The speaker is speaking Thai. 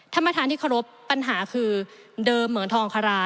ท่านประธานที่เคารพปัญหาคือเดิมเหมือนทองคารา